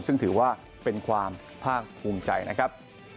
ซึ่งถือว่าเป็นความภาคภูมิใจนะครับ